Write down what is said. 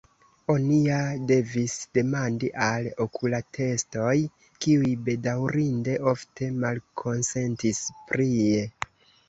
Oni ja devis demandi al okulatestoj kiuj bedaŭrinde ofte malkonsentis prie.